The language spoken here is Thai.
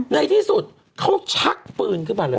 ในที่สุดเขาชักปืนขึ้นมาเลย